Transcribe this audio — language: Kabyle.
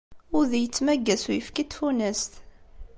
Udi yettmagga s uyefki n tfunast.